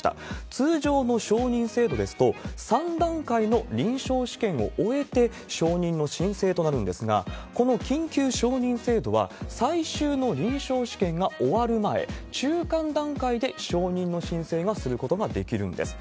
通常の承認制度ですと、３段階の臨床試験を終えて、承認の申請となるんですが、この緊急承認制度は、最終の臨床試験が終わる前、中間段階で承認の申請がすることができるんです。